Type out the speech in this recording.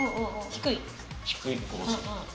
低い。